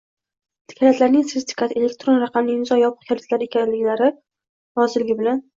kalitlarining sertifikatlari elektron raqamli imzo yopiq kalitlari egalarining roziligi bilan